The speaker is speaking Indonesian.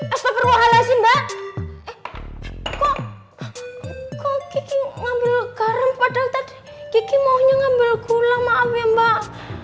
esok berwohala sih mbak kok kok ngambil garam padahal tadi kiki maunya ngambil gula maaf ya mbak